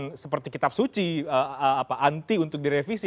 kemudian seperti kitab suci anti untuk direvisi